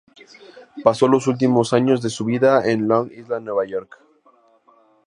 Pasó los últimos años de su vida en Long Island, Nueva York.